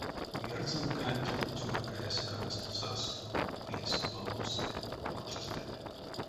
Ярсамканть цёракаесь кандсь састо: пельсь, валносы-порксасы.